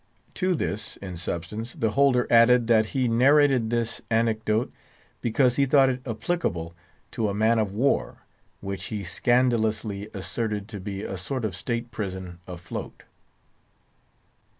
To this, in substance, the holder added, that he narrated this anecdote because he thought it applicable to a man of war, which he scandalously asserted to be a sort of State Prison afloat.